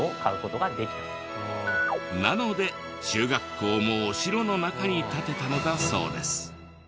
なので中学校もお城の中に建てたのだそうです。